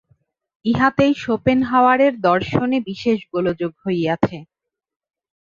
ইহাতেই শোপেনহাওয়ারের দর্শনে বিশেষ গোলযোগ হইয়াছে।